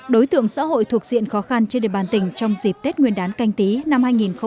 đối tượng xã hội thuộc diện khó khăn trên địa bàn tỉnh trong dịp tết nguyên đán canh tí năm hai nghìn hai mươi